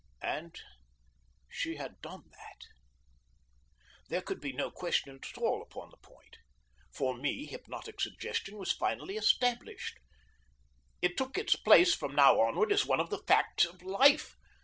And she had done that. There could be no question at all upon the point. For me hypnotic suggestion was finally established. It took its place from now onward as one of the facts of life.